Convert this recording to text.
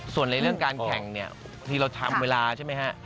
ส่วนในเรื่องการแข่งเนี่ยบางทีเราทำเวลาใช่ไหมฮะ